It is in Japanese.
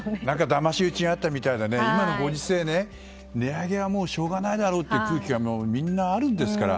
だまし討ちがあったみたいで今のご時世、値上げはしょうがないだろうという空気はみんなありますから。